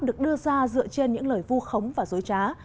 được đưa ra dựa trên những lời vu khống và dối trá